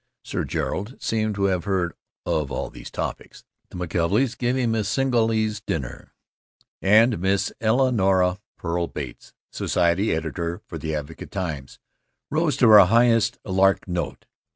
Sir Gerald seemed to have heard of all those topics. The McKelveys gave him a Singhalese dinner, and Miss Elnora Pearl Bates, society editor of the Advocate Times, rose to her highest larknote.